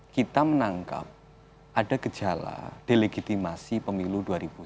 kita menangkap ada gejala delegitimasi pemilu dua ribu sembilan belas